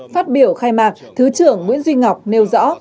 phát biểu khai mạc thứ trưởng nguyễn duy ngọc nêu rõ